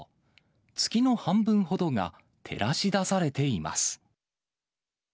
月の半分ほどが照らし出されています。